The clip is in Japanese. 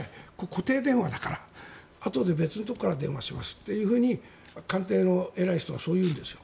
固定電話だからあとで別のところから電話しますっていうふうに官邸の偉い人がそう言うんですよ。